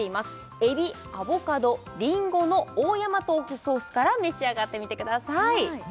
海老、アボカド、リンゴの大山豆腐ソースから召し上がってみてください